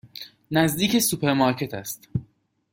نزدیک سوپرمارکت است.